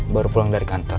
baru pulang dari kantor